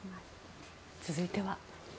続いては。